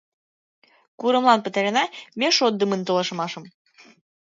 Курымлан пытарена ме шотдымын толашымашым